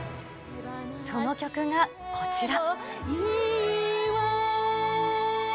その曲がこちら。